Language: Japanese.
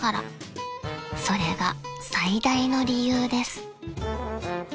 ［それが最大の理由です］